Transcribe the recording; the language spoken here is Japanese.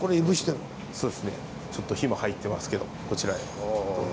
ちょっと火も入ってますけどこちらへどうぞ。